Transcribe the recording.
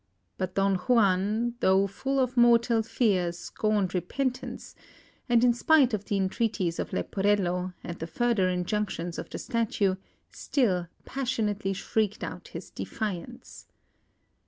But Don Juan, though full of mortal fear, scorned repentance, and in spite of the entreaties of Leporello, and the further injunctions of the Statue, still passionately shrieked out his defiance.